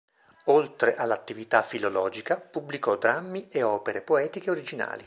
Oltre all'attività filologica, pubblicò drammi e opere poetiche originali.